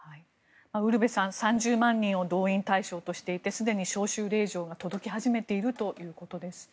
ウルヴェさん３０万人が動員対象としていてすでに招集令状が届き始めているということです。